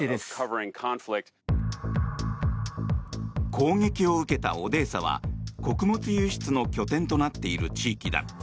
攻撃を受けたオデーサは穀物輸出の拠点となっている地域だ。